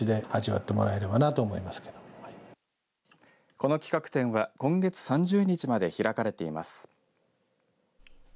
この企画展は今月３０日まで開かれています。